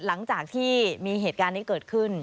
หลังจากที่มีเหตุการณ์นี้เกิดขึ้น